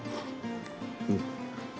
うん。